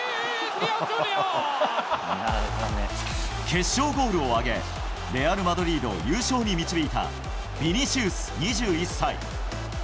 決勝ゴールを挙げ、レアル・マドリードを優勝に導いたビニシウス２１歳。